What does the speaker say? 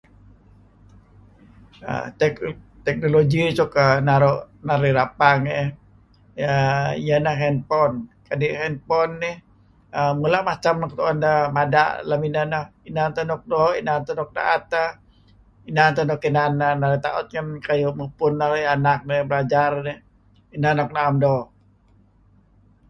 Technology suk naru' narih rapang eh iyeh ineh handphone, kadi' handphone nih mula' macam nuk tu'en deh mada' lem ineh, inan teh nuk doo', inan teh luk da'et ah, inan teh nuk inan narih ta'ut ngen katu' mupun narih anak narih awe' anak narih belajar dih . Ineh nuk na'em doo'.